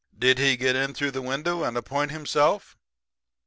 Did he get in through the window and appoint himself?'